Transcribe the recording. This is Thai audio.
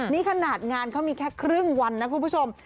นี่ขนาดงานเขามีแค่ครึ่งวันนะคุณผู้ชม